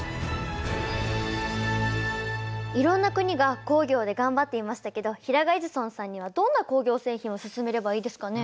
いろんな国が工業で頑張っていましたけど平賀エジソンさんにはどんな工業製品を薦めればいいですかね？